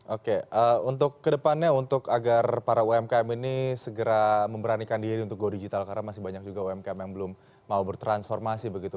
oke untuk kedepannya untuk agar para umkm ini segera memberanikan diri untuk go digital karena masih banyak juga umkm yang belum mau bertransformasi begitu